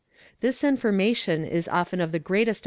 This information is often of the greatest